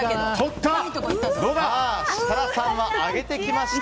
設楽さんは上げてきました。